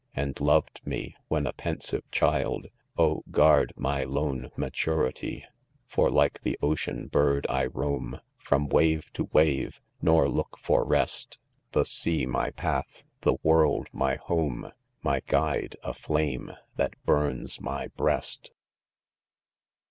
And loved me, when a pensive child*, Oh, guard my lone maturity ! For, like the ocean bird, I roam. From wave to wave, nor look for rest ;— The sea my path, tlie world my home, . My guide a flame that burns my^breast